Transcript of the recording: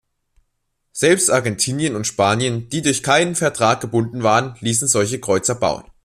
Selbst Argentinien und Spanien, die durch keinen Vertrag gebunden waren, ließen solche Kreuzer bauen.